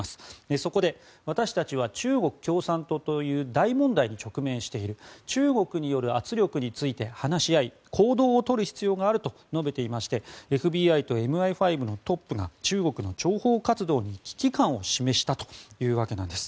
そこで私たちは中国共産党という大問題に直面している中国による圧力について話し合い行動を取る必要があると述べていましてＦＢＩとＭＩ５のトップが中国の諜報活動に危機感を示したというわけです。